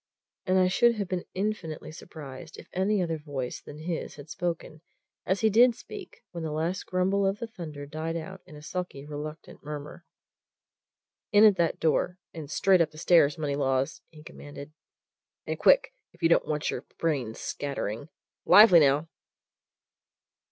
And I should have been infinitely surprised if any other voice than his had spoken as he did speak when the last grumble of the thunder died out in a sulky, reluctant murmur. "In at that door, and straight up the stairs, Moneylaws!" he commanded. "And quick, if you don't want your brains scattering. Lively, now!"